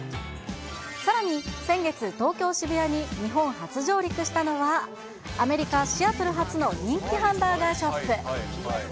さらに先月、東京・渋谷に日本初上陸したのは、アメリカ・シアトル発の人気ハンバーガーショップ。